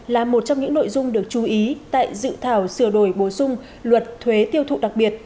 là một trong những nội dung được chú ý tại dự thảo sửa đổi bổ sung luật thuế tiêu thụ đặc biệt